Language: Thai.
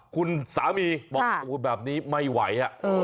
คุณสามีบอกแบบนี้ไม่ไหว